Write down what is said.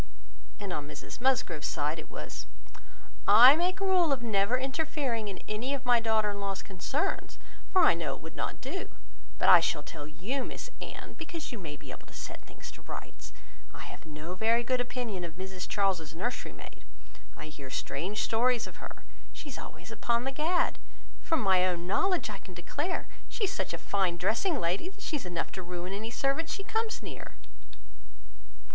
And on Mrs Musgrove's side, it was, "I make a rule of never interfering in any of my daughter in law's concerns, for I know it would not do; but I shall tell you, Miss Anne, because you may be able to set things to rights, that I have no very good opinion of Mrs Charles's nursery maid: I hear strange stories of her; she is always upon the gad; and from my own knowledge, I can declare, she is such a fine dressing lady, that she is enough to ruin any servants she comes near.